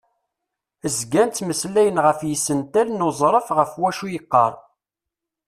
Zgan ttmeslayen ɣef yisental n uẓref ɣef wacu i yeqqar.